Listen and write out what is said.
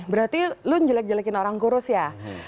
berarti lo njelek njelekin orang kurus ya